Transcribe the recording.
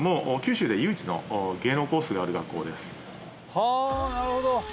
はぁなるほど。